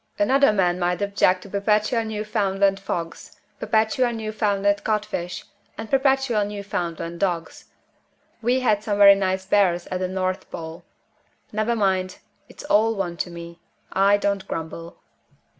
Another man might object to perpetual Newfoundland fogs, perpetual Newfoundland cod fish, and perpetual Newfoundland dogs. We had some very nice bears at the North Pole. Never mind! it's all one to me I don't grumble."